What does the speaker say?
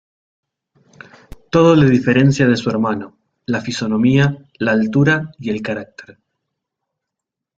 Todo le diferencia de su hermano: la fisonomía, la altura y el carácter.